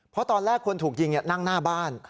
เพราะตอนแรกคนถูกยิงนั่งหน้าบ้าน